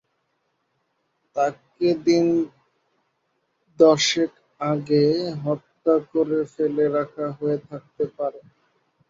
তাকে দিন দশেক আগে হত্যা করে ফেলে রাখা হয়ে থাকতে পারে।